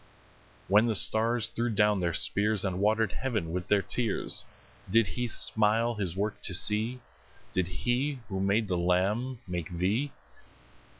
When the stars threw down their spears, And water'd heaven with their tears, Did He smile His work to see? Did He who made the lamb make thee?